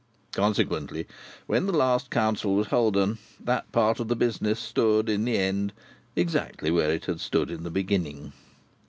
Consequently, when the last council was holden, that part of the business stood, in the end, exactly where it had stood in the beginning.